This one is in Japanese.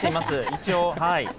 一応。